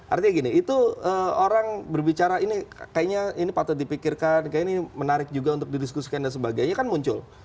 artinya gini itu orang berbicara ini kayaknya ini patut dipikirkan kayaknya ini menarik juga untuk didiskusikan dan sebagainya kan muncul